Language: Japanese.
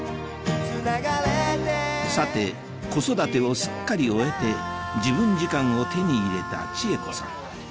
さて子育てをすっかり終えて自分時間を手に入れた千惠子さん